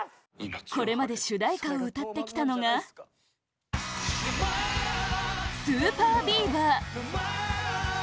これまで主題歌を歌ってきたのが ＳＵＰＥＲＢＥＡＶＥＲ